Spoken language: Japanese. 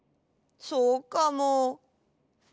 そうかも。